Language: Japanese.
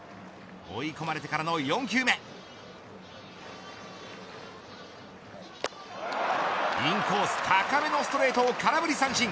追い込まれてからの４球目インコース高めのストレートを空振り三振。